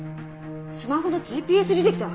スマホのＧＰＳ履歴だ！